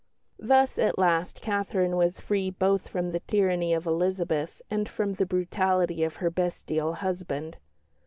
Thus at last Catherine was free both from the tyranny of Elizabeth and from the brutality of her bestial husband.